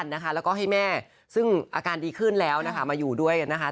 แล้วก็ให้แม่ซึ่งอาการดีขึ้นแล้วนะคะมาอยู่ด้วยนะคะ